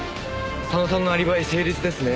佐野さんのアリバイ成立ですね。